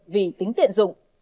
vì tính tiện dụng